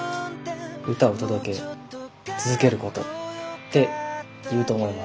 「歌を届け続けること」って言うと思います。